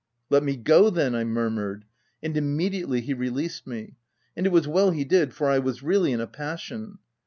u Let me go then/' I murmured ; and imme diately he released me— and it was well he did, for I was really in a passion.